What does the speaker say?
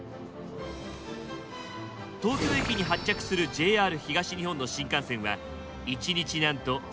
東京駅に発着するＪＲ東日本の新幹線は１日なんと３００本以上。